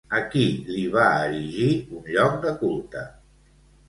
A qui li va erigir un lloc de culte?